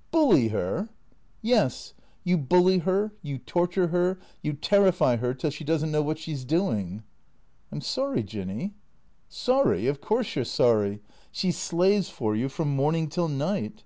— Bully her?" "Yes. You bully her, you torture her, you terrify her till she does n't know what she 's doing." " I 'm sorry, Jinny." " Sorry ? Of course you 're sorry. She slaves for you from morning till night."